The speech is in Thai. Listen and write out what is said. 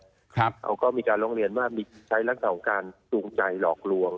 เขาก็มีการร้องเรียนว่ามีใช้ลักษณะของการจูงใจหลอกลวง